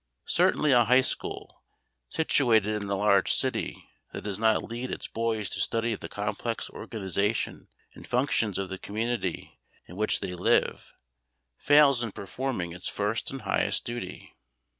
Certainly a high school, situated in a large city, that does not lead its boys to study the complex organization and functions of the community in which they live fails in performing its first and highest duty.